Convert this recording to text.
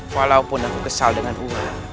walaupun aku kesal denganmu